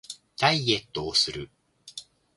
ダイエットをする